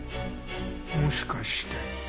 もしかして。